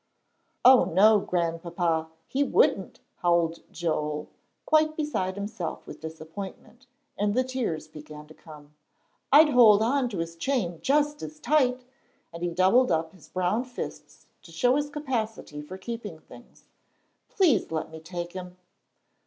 "Oh, no, Grandpapa, he wouldn't," howled Joel, quite beside himself with disappointment, and the tears began to come. "I'd hold on to his chain just as tight," and he doubled up his brown fists to show his capacity for keeping things. "Please let me take him."